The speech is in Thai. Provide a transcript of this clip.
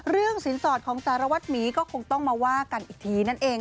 เรื่องสินสอดของสารวัตมีก็คงต้องมาว่ากันอีกทีดั่งนั้นเอง